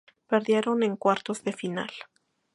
Perdieron en cuartos de final.